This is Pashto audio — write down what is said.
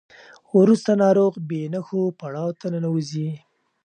وروسته ناروغ بې نښو پړاو ته ننوځي.